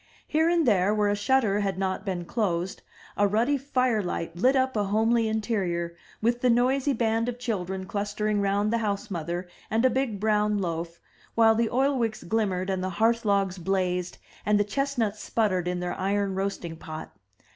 Here and there, where a shutter had not been closed, a ruddy fire light lit up a homely interior, with the noisy band of children clustering round the house mother and a big brown loaf, while the oilwicks glimmered, and the hearth logs blazed, and the chestnuts sputtered in their iron roasting pot.